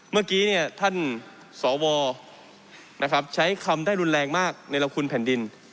เมื่อกี้เนี่ยท่านสวนะครับใช้คำได้รุนแรงมากในราคุณแผ่นดิน